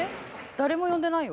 誰も呼んでないよ。